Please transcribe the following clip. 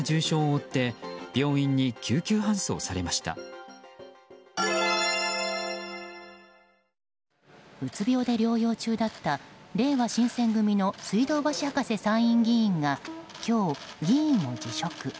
うつ病で療養中だったれいわ新選組の水道橋博士参院議員が今日、議員を辞職。